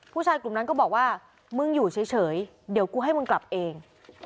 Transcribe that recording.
ผู้ชายกลุ่มนั้นก็บอกว่ามึงอยู่เฉยเดี๋ยวกูให้มึงกลับเอง